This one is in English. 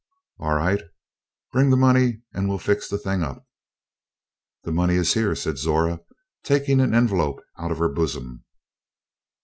"All right. Bring the money and we'll fix the thing up." "The money is here," said Zora, taking an envelope out of her bosom.